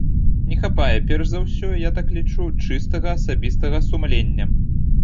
Не хапае, перш за ўсе, я так лічу, чыстага асабістага сумлення.